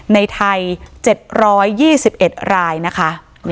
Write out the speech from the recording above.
ในไทย๗๒๑รายนะคะ